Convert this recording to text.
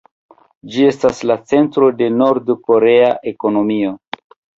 Ĝi estas la centro de Nord-korea ekonomio.